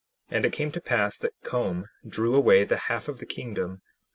10:32 And it came to pass that Com drew away the half of the kingdom.